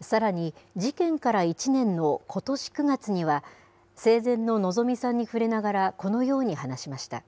さらに、事件から１年のことし９月には、生前の希美さんに触れながら、このように話しました。